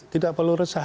tidak perlu resah